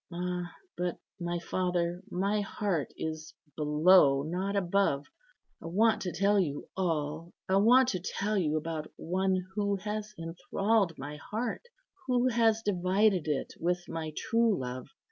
Ah! but, my father, my heart is below, not above. I want to tell you all. I want to tell you about one who has enthralled my heart; who has divided it with my True Love.